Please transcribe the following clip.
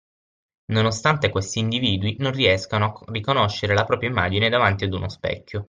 Nonostante questi individui non riescano a riconoscere la propria immagine davanti ad uno specchio